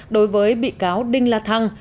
đối với bị cáo đinh la thăng